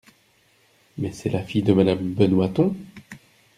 Mais c’est la fille de madame Benoiton !